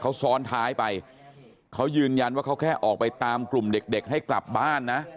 เขาซ้อนท้ายไปเขายืนยันว่าเขาแค่ออกไปตามกลุ่มเด็กให้กลับบ้านนะ